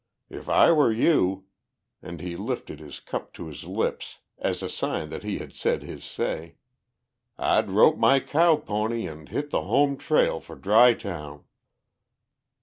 If I were you," and he lifted his cup to his lips as a sign that he had said his say, "I'd rope my cow pony and hit the home trail for Dry Town!"